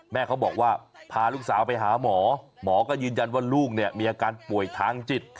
แม่เขาบอกว่าพาลูกสาวไปหาหมอหมอก็ยืนยันว่าลูกเนี่ยมีอาการป่วยทางจิต